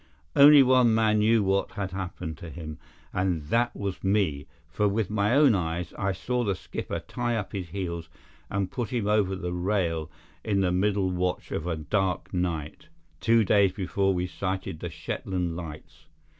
Only one man knew what had happened to him, and that was me, for, with my own eyes, I saw the skipper tip up his heels and put him over the rail in the middle watch of a dark night, two days before we sighted the Shetland Lights.